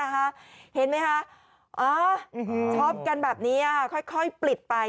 เห็นไหมคะช็อปกันแบบนี้ค่อยปลิดไป